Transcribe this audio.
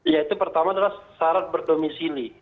yaitu pertama adalah syarat berdomisili